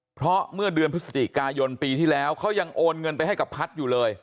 เพราะเมื่อเดือนพฤศจิกายนปีที่แล้วเขายังโอนเงินไปให้กับพัฒน์อยู่เลย